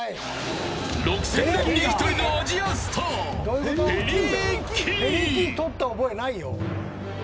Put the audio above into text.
６０００年に１人のアジアスターペリー・キー。